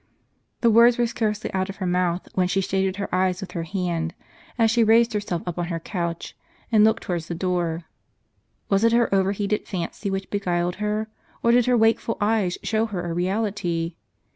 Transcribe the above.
The words were scarcely out of her mouth, when she TO shaded her eyes with her hand, as she raised herself up on her couch, and looked towards the door. Was it her over heated fancy which beguiled her, or did her wakeful eyes show her a reality